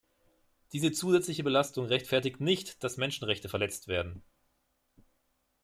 Diese zusätzliche Belastung rechtfertigt nicht, dass Menschenrechte verletzt werden.